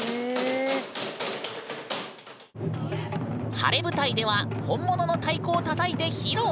晴れ舞台では本物の太鼓をたたいて披露！